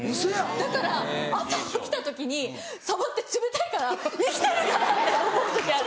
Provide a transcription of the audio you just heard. だから朝起きた時に触って冷たいから生きてるかな？って思う時ある。